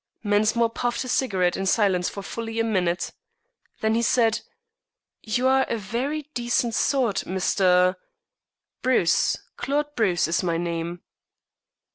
Mensmore puffed his cigarette in silence for fully a minute. Then he said: "You are a very decent sort, Mr. " "Bruce Claude Bruce is my name."